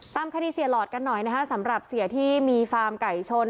ตามคดีเสียหลอดกันหน่อยนะคะสำหรับเสียที่มีฟาร์มไก่ชน